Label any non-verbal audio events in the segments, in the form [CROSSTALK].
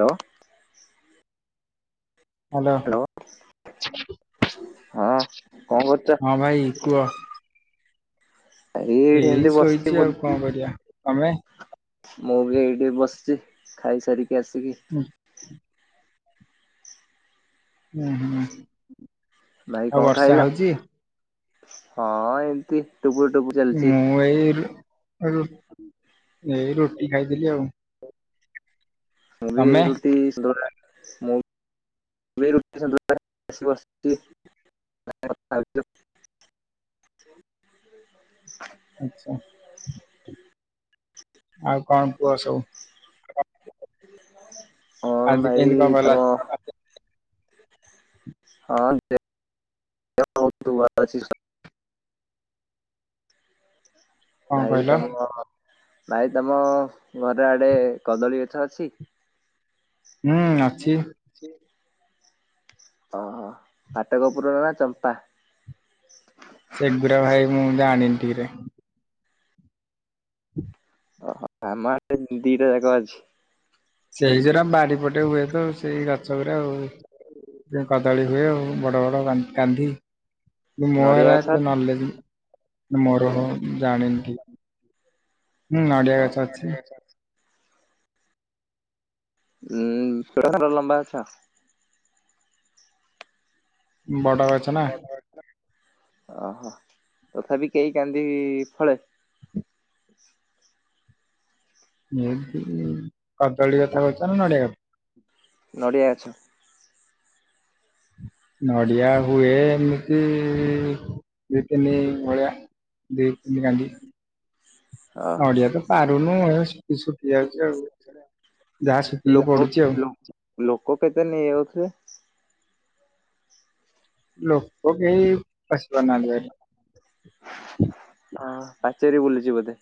Hello. Hello. ହଁ। କଣ କରୁଛ? ହଁ ଭାଇ କୁହ। ଏଇ ଏଇଠି ଏମତି ବସିଛି, ଶୋଇଛି ଆଉ କଣ କରିବା ତମେ? ବୁଲୁଛି। ମୁଁ ବି ଏଇଠି ବସିଛି ଖାଇସାରିକି ଆସିକି। ଉଁ, ହୁଁ ଭାଇ ଆଉ କଣ ବର୍ଷା ଖାଇଲ? ହଉଚି? ହଁ ଏମତି। ମୁଁ ଏଇ ରୁ ରୁ ଏଇ ରୁଟି ଖାଇଥିଲି ଆଉ। ମୁଁ ବି ତମେ ରୁଟି ସନ୍ତୁଳା ମୁଁ। ମୁଁ ବି ଏଇ ରୁଟି ସନ୍ତୁଳା ଆସି ବସଚି କଥା ହଉଚି ଆଉ। ଆଛା ଆଉ କଣ କୁହ ସବୁ। ମୋର ଆଜି ଭାଇ କେମିତି କଣ ଗଲା ଏଇଥର। ହଁ ଯେ [UNINTELLIGIBLE] କଣ ଭାଇ କହିଲ ତମର। ଭାଇ ତମ ଘରେ ଆଡେ କଦଳୀ ଗଛ ଅଛି। ହୁଁ ଅଛି। ଓହୋ ପାଟକପୁର ନା ଚମ୍ପା? ସେଗୁଡ଼ା ଭାଇ ମୁଁ ଜାଣିନି ଠିକରେ। ଓହୋ ଆମ ଆଡେ ଦିଟା ଯାକ ଅଛି। ସେଇ ଯୋଉଗୁରା ବାଡି ପଟେ ହୁଏ ତ ସେଇ ଗଛ ଗୁରା ଆଉ। ସେଇ କଦଳୀ ହୁଏ ଆଉ ବଡ ବଡ କାନ କାନ୍ଧି। କିନ୍ତୁ ମୋର ନଡିଆ ସେରା ଗଛ କୁ ନଲେଜ୍ ମୋର ହଉନ ଜାଣିନ ଠିକ୍ ହୁଁ ନଡ଼ିଆ ଗଛ ଅଛି। ହୁଁ ଛୋଟ ଛୋଟ ଲମ୍ବା ଗଛ। ବଡ ଗଛ ନା। ଓହୋ ତଥାପି କେଇ କାନ୍ଦି ଫଳେ? ଏମତି କଦଳୀ କଥା କଉଛ ନା ନଡ଼ିଆ। ନଡ଼ିଆ ଗଛ। ନଡିଆ ହୁଏ ଏମିତି। ଦି ତିନି ଭଳିଆ ଦି ତିନି କାନ୍ଦି। ଓହୋ ନଡିଆ ତ ପାରୁନୁ ହେ ସୁକି ସୁକି ଯାଉଛି ଆଉ ସେରା। ଲୋକ ଲୋକ୍ ଲୋକେ କେତେ ନେଇଯାଉଥିବେ। ଲୋକ କେହି ପସି ପରୁନାହାନ୍ତି ଭାରି। ଅଁ ପାଚେରୀ ବୁଲିଛି ବୋଧେ।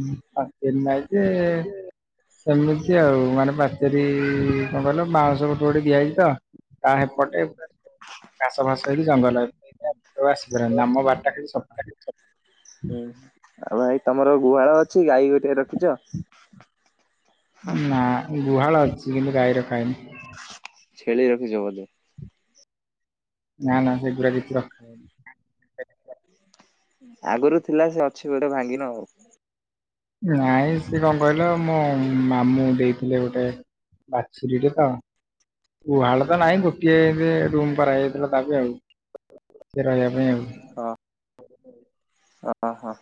ଉଁ ପାଚେରୀ ନାଇ ଯେ। ସେମିତି ଆଉ ମାନେ ପାଚେରୀ-ଇ-ଇ-ଇ-ଇ କଣ କହିଲ ବାଉଁସ ଗୋଟେ ଗୋଟେ ଦିଆ ହେଇଛି ତ। ତା ସେପଟେ ଘାସ ଫାସ ହେଇକି ଜଙ୍ଗଲ। ଆଉ ଆସି ପରନ୍ତିନି। ଆମ ବାଡିଟା ଖାଲି ସଫା। ହୁଁ ଆଉ ଭାଇ ତମର ଗୁହାଳ ଅଛି। ଗାଈ ଗୋଟିଏ ରଖିଛ। ନା ଗୁହାଳ ଅଛି କିନ୍ତୁ ଗାଈ ରଖାହେଇନି। ଛେଳି ରଖିଛ ବୋଧେ? ନା ନା ସେଗୁଡା କିଛି ରଖା ଆଗରୁ ଥିଲା ସେ ଅଛି ଗୋଟେ ଭାଙ୍ଗିନ ଆଉ। ନାଇଁ ସିଏ କଣ କହିଲ ମୋ ମାମୁଁ ଦେଇଥିଲେ ଗୋଟେ ବାଛୁରୀଟେ ତ, ଗୁହାଳ ତ ନାହିଁ ଗୋଟିଏ-ଏ-ଏ ଯେ ରୁମ କରାଯାଇଥିଲା ତା ପାଇଁ ଆଉ। ସେ ରହିବା ପାଇଁ ଆଉ। ହଁ, ଅ ହଁ।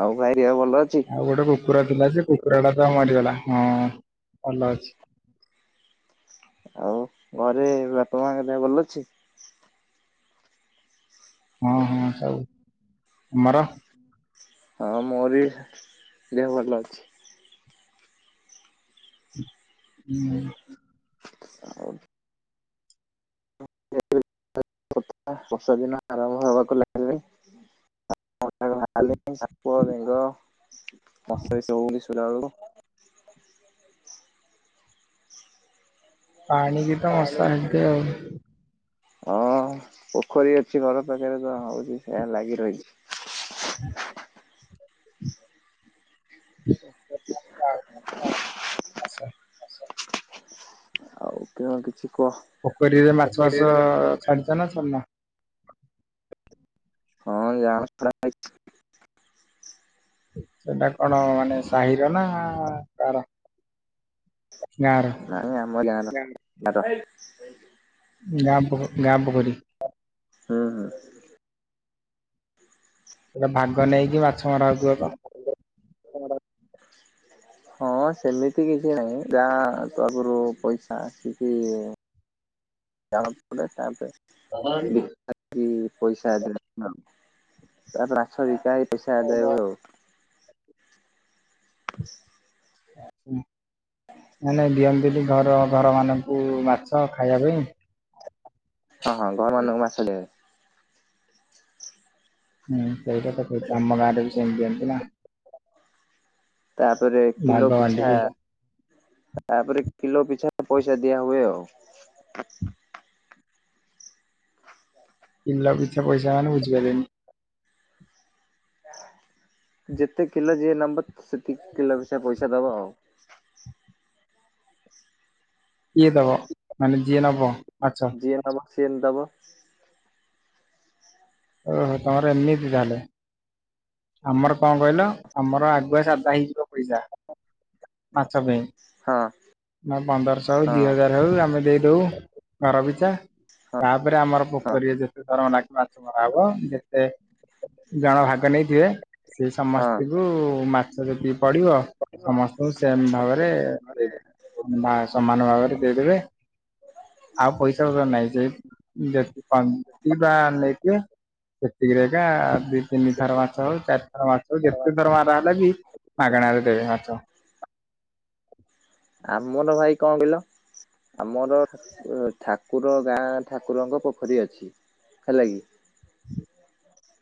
ଆଉ ଭାଇ ଦେହ ଭଲ ଅଛି ଆଉ ଗୋଟେ କୁକୁର ଥିଲା ଯେ କୁକୁର ଟା ତ ମରିଗଲା ହଁ। ଭଲ ଅଛି, ଆଉ ଘରେ ବାପା ମା ଙ୍କ ଦେହ ଭଲ ଅଛି? ହଁ ହଁ ସବୁ। ତମର? ହଁ ମୋର ବି ଦେହ ଭଲ ଅଛି। ହୁଁ, ଆଉ [INAUDIBLE] ବର୍ଷା ଦିନ ଆରମ୍ଭ ହବାକୁ ଲାଗିଲାଣି। ପଦାକୁ ବାହାରିଲେଣି ସାପ ଆଉ ବେଙ୍ଗ [INAUDIBLE] ବେଳକୁ, ପାଣି କି ତ ମସା ହେବେ ଆଉ। ହଁ ପୋଖରୀ ଅଛି ଘର ପାଖରେ ତ ହଉଛି ସେ ଲାଗି ରହିଛି ହୁଁ ଆଛା ଆଉ କେଅ କିଛି କୁହ ପୋଖରୀରେ ମାଛ ଚାଷ-ଅ-ଅ-ଅ ଛାଡିଛ ନା ଛାଡିନ? ହଁ [INAUDIBLE] ଛଡାଯାଇଛି। ସେଇଟା କଣ ମାନେ ସାହିର ନା-ଆ-ଆ-ଆ କାହାର? ନାଁ ଆମ ଗାଁ ର ନାଟ। ଗାଁ ପୋଖ ଗାଁ ପୋଖରୀ? ହୁଁ ହୁ। ସେଟା ଭାଗ ନେଇକି ମାଛ ମରା ହେଉଥିବତ? ହଁ ସେମିତି କିଛି ନାହିଁ ଯା ଆଗରୁ ପଇସା ଆସିକି, [INAUDIBLE] ବିକା [INAUDIBLE] ହେଇକି ପଇସା ଆଦାୟ [INAUDIBLE] ତାପରେ ମାଛ ବିକା ହେଇ ପଇସା ଆଦୟ ହୁଏ ଆଉ। ନା ନାଇଁ ଦିଅନ୍ତି ଘର ଘର ମାନଙ୍କୁ ମାଛ ତ ଖାଇବା ପାଇଁ। ହଁ ହଁ ଘରମାନଙ୍କୁ ମାଛ ଦିଅନ୍ତି। ହୁଁ ସେଇଟା ତ ଠିକ। ଆମ ଗାଁରେ ବି ସେମିତି ଦିଅନ୍ତି ନା। ତାପରେ କିଲୋ ଭାଗ ପିଛା ବାଣ୍ଟିକି। ତାପରେ କିଲୋ ପିଛା ପଇସା ଦିଆ ହୁଏ ଆଉ। କିଲୋ ପିଛା ପଇସା ମାନେ ବୁଝି ପାରିଲିନି। ହ ଯେତେ କିଲୋ ଯିଏ ନେବ ସେତିକି କିଲୋ ର ପଇସା ସେ ଦବ। ଇଏ ଦେବ ମାନେ ଜିଏ ନବ ଆଛା। ଯିଏ ନବ ସିଏ ଦବ। ଓହୋ ତମର ଏମିତି ତାହେଲେ? ଆମର କଣ କହିଲ ଆମର ଆଗୁଆ ସା ଆଦାୟ ହେଇଯିବ ପଇସା। ମାଛ ପାଇଁ। ହଁ ନା ପନ୍ଦରଶହ ହଉ ହଁ ଦି ହଜାର ହଉ ଆମେ ଦେଇଦଉ ଘର ପିଛା। ହଁ ତାପରେ ଆମର ହଁ ପୋଖରୀରେ ଯେତେ ଥର ମାଛ ମାଛ ମରା ହବ ଯେ ଯେ ଜଣ ଭାଗ ନେଇଯିବେ ସେ ହଁ। ସମସ୍ତିଙ୍କୁ ମାଛ ଯଦି ପଡିବ ସମସ୍ତଙ୍କୁ ସେମ ଭାବରେ ଦେଇଦେବେ। ମା ସମାନ ଭାବରେ ଦେଇଦେବେ। ଆଉ ପଇସା ପତର ନାଇଁ ଯେ [UNINTELLIGIBLE] ଯିବା ସେତିକିରେ ଯା ଦି ତିନି ଥର ବା ଚାରି ଥର ମାଛ ଯେତେଥର ମାରା ହେଲେବି ମାଗାଣାରେ ଦେବେ। ମାଛ। ଆମର ଭାଇ କଣ କହିଲ? ଆମର ଉଁ ଠାକୁର ଗାଁ ଠାକୁରଙ୍କ ପୋଖରୀ ଅଛି। ହେଲା କି?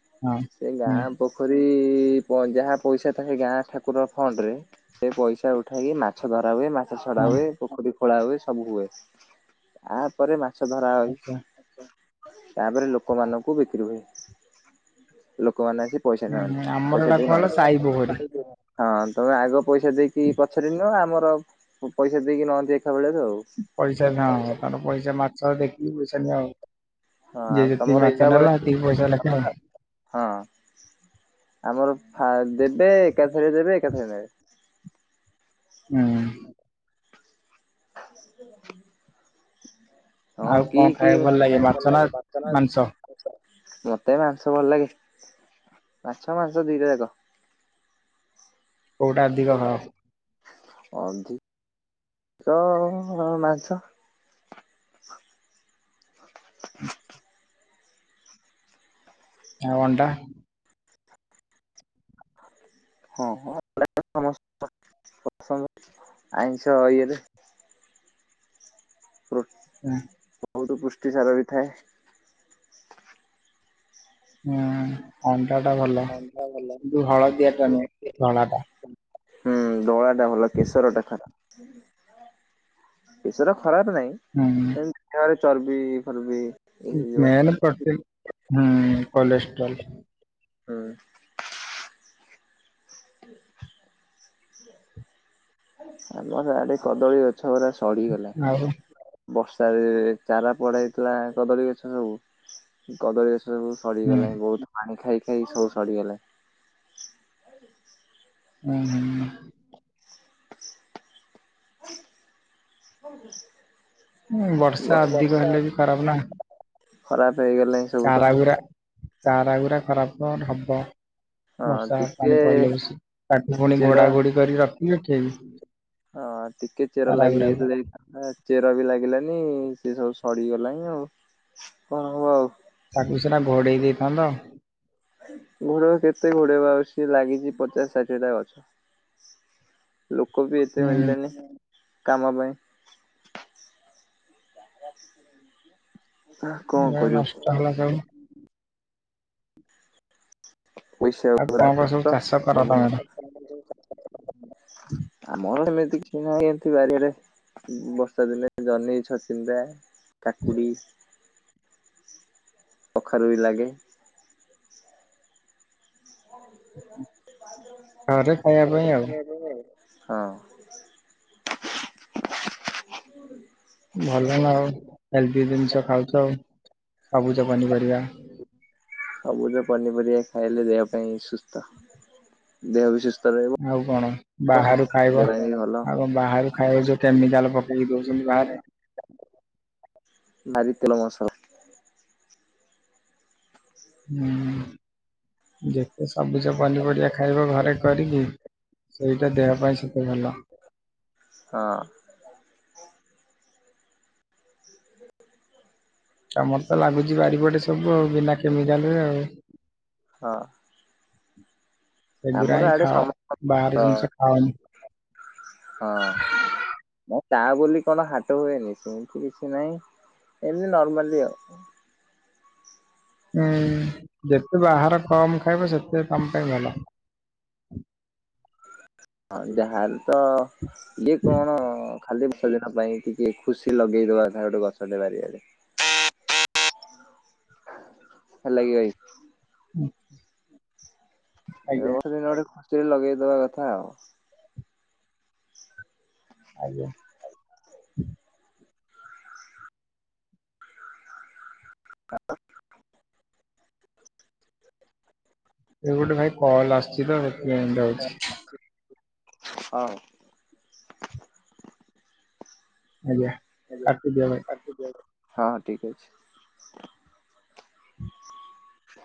ହଁ ସେ ହୁଁ ଗାଁ ପୋଖରୀ ଯି [UNINTELLIGIBLE] ଯାହା ପଇସା ଥାଏ ଗାଁ ଠାକୁର ଫଣ୍ଡରେ ସେ ପଇସା ଉଠାଇକି ମାଛ ଧରା ହୁଏ ମା ମାଛ ଛଡା ହଁ ହୁଏ ପୋଖରୀ ଖୋଳା ହୁଏ ସବୁ ହୁଏ। ତାପରେ ମା ମାଛ ଧରା ଆଚ୍ଛା ହୁଏ ତାପରେ ଲୋକମାନଙ୍କୁ ବିକ୍ରି ହୁଏ। ଲୋକମାନେ ଆସି ପଇସା ହୁଁ ଖାଆନ୍ତି ଆମର ପଇସା ଏଟା ଦେଇ କଣ ସାଇ ପୋଖରୀ ନାହାନ୍ତି। ହଁ ତମେ ଆଗ ପଇସା ଦେଇକି ପଛରେ ନିଅ ଆମର ପଇସା ଦେଇକି ନାହାନ୍ତି। ପଇସା କାଁ ହବ [UNINTELLIGIBLE] ପଇସା ମାଛ ଦେଖିକି ପଇସା ନିଅ ଆଉ। ହଁ ଆଉ ଯେ ଯେତିକି ତମର ଏକା ମାଛ ବେଳେ ନେଲା ହେତିିକି ପଇସା ଲେଖା ଆଉ। ହଁ ଆମର ଫା ଦେବେ ଏକାଥରେ ଦେବେ ରେ ହୁଁ। [INAUDIBLE] ହଁ ଆଉ କି କଣ କି [UNINTELLIGIBLE] ଖାଇବାକୁ ଭଲ ଲାଗେ ମତେ ମାଛ ନା ମାଂସ ମାଂସ ଭଲ ଲାଗେ। ମାଛ ମାଂସ ଦିଟା ଯାକ। କଉଟା ଅଧିକ ଖାଅ? ଅଧି କ ମାଛ। ଆଉ ଅଣ୍ଡା? ହଁ ହଁ। [UNINTELLIGIBLE] ପସନ୍ଦ ଆଇଁସ ଇଏରେ। ପ୍ରୋ ହୁଁ। ବହୁତ ପୁଷ୍ଟିସାର ବି ଥାଏ। ହୁଁ ଅଣ୍ଡାଟା ଭଲ କିନ୍ତୁ ହଳଦିଆଟା ନୁଁ ଧଳାଟା। ହୁଁ ଧଳା ଟା ଭଲ କେଶର ଟା ଖରାପ କେଶର ଖରାପ ନାହିଁ ଏମତି ଦିହରେ ଚର୍ବି ଫର୍ବି ଇଏ ହେଇଯିବ। ମେନ ପ୍ରୋଟିନ ହୁଁ କଲେଷ୍ଟ୍ରୋଲ ହୁଁ। ଆମ ଏଡ଼େ କଦଳୀ ଅ ଛ ଗୁରା ସଢିଗଲା। ଆଉ ବର୍ଷରେ ଚାରା ପଡା ହେଇଥିଲା କଦଳୀ ଗଛ ସବୁ କଦଳୀ ଗଛ ସବୁ ହୁଁ ସଡିଗଲାଣି ବହୁତ ପାଣି ଖାଇ ଖାଇ ସବୁ ସଡିଗଲା। ହୁଁ ହୁଁ। [UNINTELLIGIBLE] ହୁଁ ବର୍ଷା ଅଧିକ ହେଲେ ବି ଖରାପ ନା। ଖରାପ ହେଇଗଲାଣି ସବୁ ତ। ଚାରା ଗୁରା ଚାରା ଗୁଡ଼ା ଖରାପ [UNINTELLIGIBLE] ହବ। ହଁ ବର୍ଷା ଟିକେ ପାଣି ପଡିଲେ ବେଶୀ ତାକୁ ପୁଣି ଚେର ଘୋଡା ଘୋଡି କରି ରଖିଲେ ଠିକି। ହଁ ଟିକେ ଚେର ଲାଗି ଯାଇଥିଲେ ହେଇଥାନ୍ତା ଚେର ବି ଲାଗିଲାନି ସେ ସବୁ ସଢ଼ି ଗଲାଣି ଆଉ କଣ ହବ ଆଉ? ତାକୁ ସିନା ଘୋଡେଇ ଦେଇଥାନ୍ତ। ଘୋଡେଇବୁ କେତେ ଘୋଡେଇବ ଆଉ ସିଏ ଲାଗିଛି ପଚାଶ ଷାଠିଏଟା ଗଛ। ଲୋକ ବି ଏତେ ହୁଁ ମିଳିଲେନି କାମ ପାଇଁ। ଆ କଣ ଏ ନଷ୍ଟ କରିବୁ? ହେଲା ସବୁ ପଇସା ଆଉ ପୁରା କଣ କଣ ସବୁ ନଷ୍ଟ ଚାଷ କର ସବୁ ତମର? ନଷ। ଆମର ସେମି କିଛି ନହେଲେ ସେମିତି ବାରିରେ ଉଁ ବର୍ଷା ଦିନେ ଜହ୍ନି ଛଚିନ୍ଦ୍ରା। କାକୁଡ଼ି କଖାରୁ ବି ଲାଗେ। ଘରେ ଖାଇବା ପାଇଁ ଆଉ। ହଁ। ଭଲ ନା ଆଉ ହେଲ୍ଦି ଜିନିଷ ଖାଉଛ। ସବୁଜ ପନିପରିବା। ସବୁଜ ପନିପରିବା ଖାଇଲେ ଦେହ ପାଇଁ ସୁସ୍ଥ ଦେହ ବି ସୁ ଆଉ କଣ ବାହାରୁ ଖାଇବ ପାଇଁ ବି ଭଲ ଆଉ କଣ ବାହାରୁ ଖାଇବ ଯୋଉ କେମିକାଲ ପ ଦେଇଦଉଛନ୍ତି ବାହାରେ। ନାରି ତେଲ ମସଲା। ହୁଁ ଯେତେ ସବୁଜ ପନିପରିବା ଖାଇବ ଘରେ କରିକି। ସେଇଟା ଦେହ ପାଇଁ ସେତେ ଭଲ। ହଁ ଆମର ତ ଲାଗୁଛି ବାରିପଟେ ସବୁ ଆଉ ବିନା କେମିକାଲ ରେ ଆଉ। ହଁ। ସେଗୁରା ଆମର ହିଁ ଆଡେ ଖାଅ ସମସ୍ତ ବାହାର ହଁ ଜିନିଷ ଖାଅନି। ହଁ। ତା ବୋଲି କଣ ହାଟ ହୁଏନି ସେମିତି କିଛି ନାହିଁ ଏମିତି ନର୍ମାଲି ଆଉ। ହୁଁ ଯେତେ ବାହାର କମ ଖାଇବ ସେତେ ତମ ପାଇଁ ଭଲ। ହଁ ଯାହା ହେଲେ ତ ଇଏ କଣ ଖାଲି ଶିତ ଦିନ ପାଇଁ ଟିକେ ଖୁସି ଲଗେଇଦବା କଥା ଗୋଟେ ଗଛଟେ ବାରିଆଡ଼େ। ହେଲା କି ଭାଇ। ଏ ଆଜ୍ଞା ଗଛ [UNINTELLIGIBLE] ଟା ଗୋଟେ ଖୁସିରେ ଲଗେଇଦବା କଥା ଆଉ। ଆଜ୍ଞା। ଆଉ। ଏ ଗୋଟେ ଭାଇ କଲ ଆସୁଛି ତ ସେଥିପାଇଁ ଏମିତିଆ ହଉଛି। ହଉ। ଆଜ୍ଞା କାଟି ଦିଅ ଭାଇ। ହଁ ଠିକ ଅଛି। ହ।